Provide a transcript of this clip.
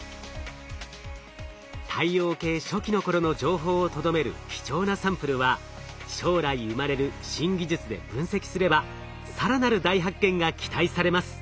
太陽系初期の頃の情報をとどめる貴重なサンプルは将来生まれる新技術で分析すれば更なる大発見が期待されます。